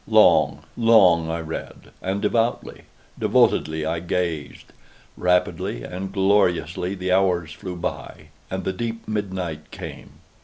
Long, long I read—and devoutly, devotedly I gazed. Rapidly and gloriously the hours flew by and the deep midnight came.